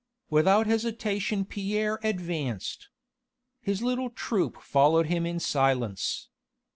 Without hesitation Pierre advanced. His little troop followed him in silence.